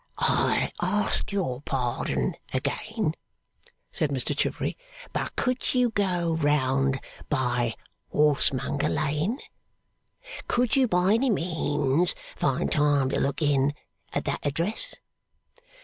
'(Private) I ask your pardon again,' said Mr Chivery, 'but could you go round by Horsemonger Lane? Could you by any means find time to look in at that address?